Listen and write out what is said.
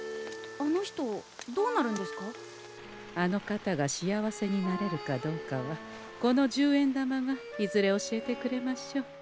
あの方が幸せになれるかどうかはこの十円玉がいずれ教えてくれましょう。